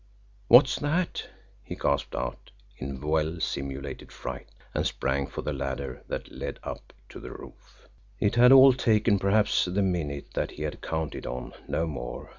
"What's that?" he gasped out, in well simulated fright and sprang for the ladder that led up to the roof. It had all taken, perhaps, the minute that he had counted on no more.